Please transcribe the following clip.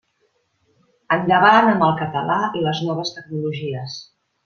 Endavant amb el català i les noves tecnologies.